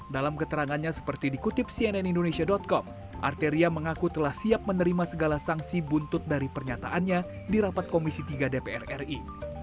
dalam keterangannya seperti dikutip cnn indonesia com arteria mengaku telah siap menerima segala sanksi buntut dari pernyataannya di rapat komisi tiga dpr ri